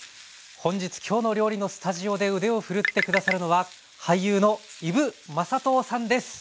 本日「きょうの料理」のスタジオで腕を振るって下さるのは俳優の伊武雅刀さんです。